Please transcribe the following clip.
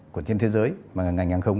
của trên thế giới mà ngành hàng không